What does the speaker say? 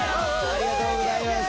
ありがとうございます。